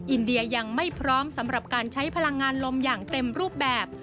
อินเดียยังไม่พร้อมสำหรับการใช้พลังงานลมอย่างเต็มรูปแบบ